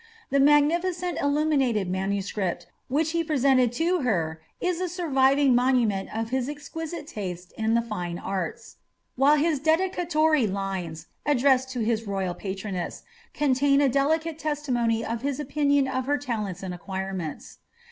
The mag nificent illuminated manusciipt volume which he presented to her is a surviving monument of his exquisite taste in the fine arts ; while his dedicatory lines, addressed to his royal patroness, contain a delicate testimonial of his opinion of her talents and acquirements.